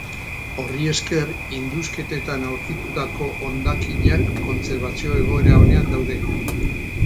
Horri esker, indusketetan aurkitutako hondakinak kontserbazio-egoera onean daude.